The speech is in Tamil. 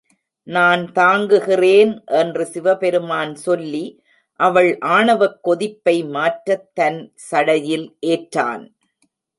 நான் தாங்குகிறேன் என்று சிவபெருமான் சொல்லி அவள் ஆணவக் கொதிப்பை மாற்றத் தன் சடையில் ஏற்றான்.